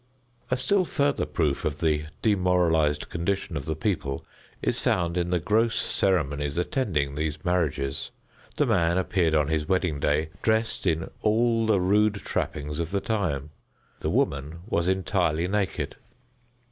A still farther proof of the demoralized condition of the people is found in the gross ceremonies attending these marriages. The man appeared on his wedding day dressed in all the rude trappings of the time; the woman was entirely naked.